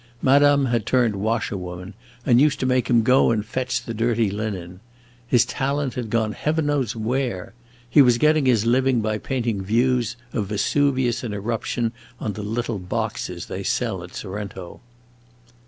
Madame had turned washerwoman and used to make him go and fetch the dirty linen. His talent had gone heaven knows where! He was getting his living by painting views of Vesuvius in eruption on the little boxes they sell at Sorrento."